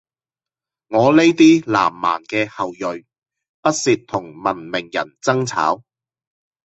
我呢啲南蠻嘅後裔，不屑同文明人爭吵